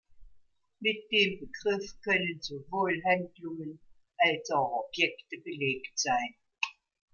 Mit dem Begriff können sowohl Handlungen als auch Objekte belegt sein.